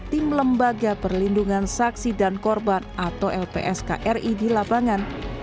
tim lembaga perlindungan saksi dan korban atau lpskri di lapangan